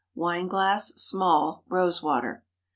Wineglass (small) rose water.